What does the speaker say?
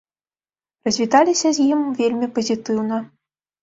Развіталіся з ім вельмі пазітыўна.